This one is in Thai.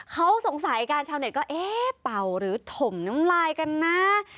เขาสงสัยกันชาวเน็ตก็เอ๊ะเป่าหรือถมน้ำลายกันนะ